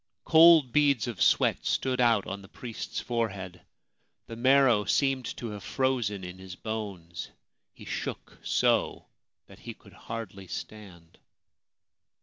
Cold beads of sweat stood out on the priest's fore head ; the marrow seemed to have frozen in his bones ; he shook so that he could hardly stand.